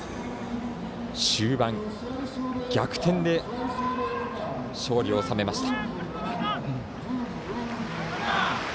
終盤、逆転で勝利を収めました。